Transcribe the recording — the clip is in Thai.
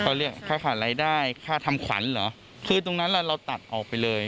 เขาเรียกค่าขาดรายได้ค่าทำขวัญเหรอคือตรงนั้นล่ะเราตัดออกไปเลย